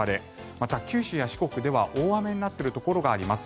また、九州や四国では大雨になっているところがあります。